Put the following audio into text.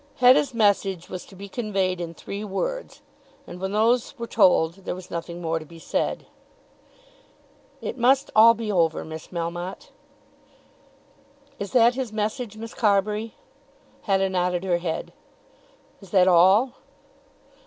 Hetta's message was to be conveyed in three words, and when those were told, there was nothing more to be said. "It must all be over, Miss Melmotte." "Is that his message, Miss Carbury?" Hetta nodded her head. "Is that all?"